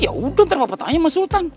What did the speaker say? yaudah ntar papa tanya sama sultan